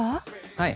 はい。